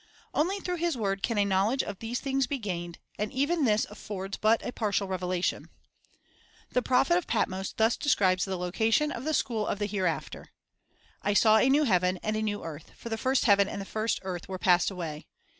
1 Only through His word can a knowledge of these things be gained; and even this affords but a partial revelation. The prophet of Patmos thus describes the location of the school of the hereafter :— "I saw a new heaven and a new earth; for the first " A Ne ™ i 11/ Earth " heaven and the first earth were passed away.